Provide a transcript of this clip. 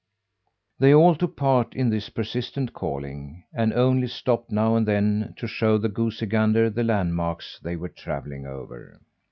They all took part in this persistent calling, and only stopped, now and then, to show the goosey gander the landmarks they were travelling over.